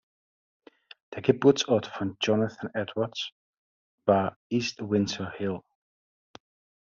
Der Geburtsort von Jonathan Edwards war East Windsor Hill.